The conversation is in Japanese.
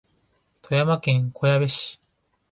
富山県小矢部市